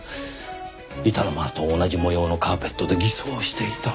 板の間と同じ模様のカーペットで偽装をしていた。